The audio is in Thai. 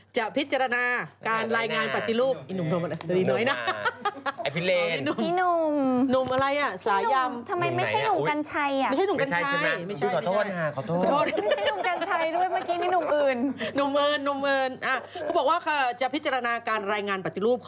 จะพิจารณาการรายงานปฏิรูป